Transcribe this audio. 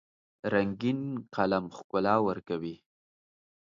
رنګین قلم ښکلا ورکوي.